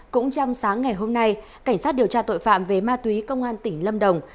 cũng trong sáng ngày hôm nay cảnh sát điều tra tội phạm về ma túy công an tỉnh lâm đồng